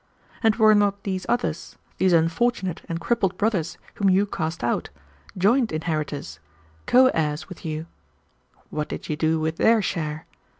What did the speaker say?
And were not these others, these unfortunate and crippled brothers whom you cast out, joint inheritors, co heirs with you? What did you do with their share?